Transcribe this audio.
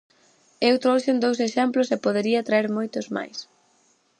Eu trouxen dous exemplos e podería traer moitos máis.